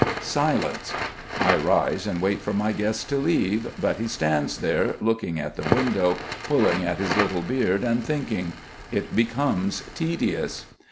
Silence. I rise and wait for my guest to leave. But he stands there, looking at the window, pulling at his little beard and thinking. It becomes tedious.